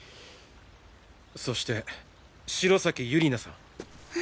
そして城崎ゆり菜さん。